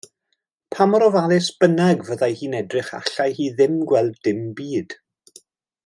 Pa mor ofalus bynnag fyddai hi'n edrych allai hi ddim gweld dim byd.